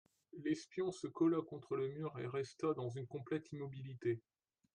L'espion se colla contre le mur et resta dans une complète immobilité.